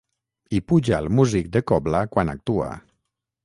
Hi puja el músic de cobla quan actua.